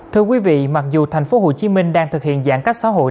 thưa quý vị mặc dù thành phố hồ chí minh đang thực hiện giãn cách xã hội